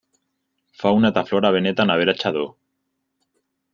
Fauna eta flora benetan aberatsa du.